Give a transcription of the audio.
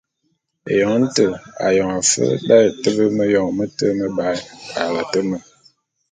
Éyoň té ayong afe d’aye tebe méyoñ mete mebae a late me.